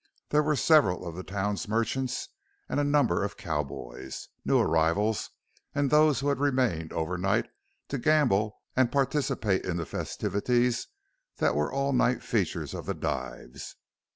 There were several of the town's merchants and a number of cowboys new arrivals and those who had remained overnight to gamble and participate in the festivities that were all night features of the dives.